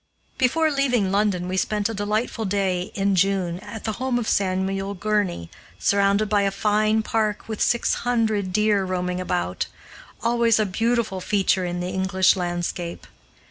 Before leaving London we spent a delightful day in June at the home of Samuel Gurney, surrounded by a fine park with six hundred deer roaming about always a beautiful feature in the English landscape.